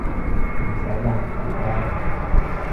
唔使喇唔該